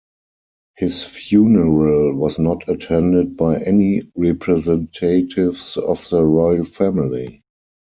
His funeral was not attended by any representatives of the Royal Family.